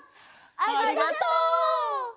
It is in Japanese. ありがとう！